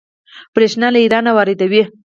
بریښنا له ایران واردوي